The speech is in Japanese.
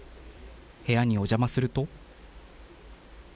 部屋にお邪魔すると。